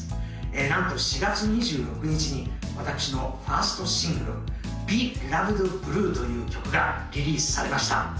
なんと４月２６日に私の１ｓｔシングル「ＢＥＬＯＶＥＤＢＬＵＥ」という曲がリリースされました